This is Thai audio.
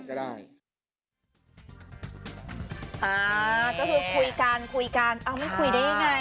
คุยกันคุยกันไม่คุยได้ยังไง